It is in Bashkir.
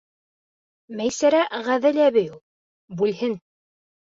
Мәйсәрә ғәҙел әбей ул. Бүлһен.